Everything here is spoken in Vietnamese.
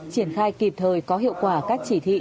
triển khai kịp thời có hiệu quả các chỉ thị